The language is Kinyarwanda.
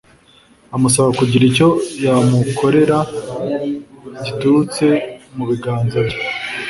amusaba kugira icyo yamukorera giturutse mu biganza bye.